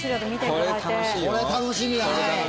これ楽しみだね。